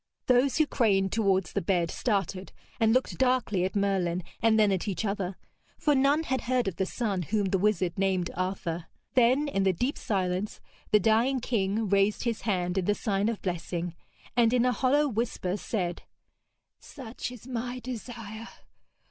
Those who craned towards the bed started and looked darkly at Merlin and then at each other; for none had heard of the son whom the wizard named Arthur. Then in the deep silence the dying king raised his hand in the sign of blessing, and in a hollow whisper said: 'Such is my desire.